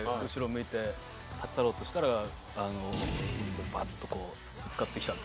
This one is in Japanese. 向いて立ち去ろうとしたらバッとこうぶつかってきた。